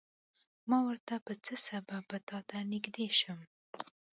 ما ورته په څه سبب به تاته نږدې شم.